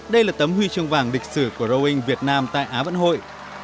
đây là tấm huy chương vàng lịch sử của rowing việt nam tại á vận hội